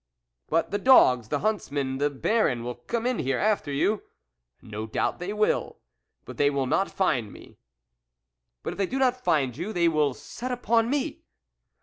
"But the dogs, the huntsmen, the Baron, will come in here after you ?"" No doubt they will, but they will not find me." " But if they do not find you, they will set upon me."